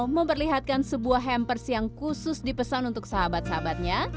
memperlihatkan sebuah hampers yang khusus dipesan untuk sahabat sahabatnya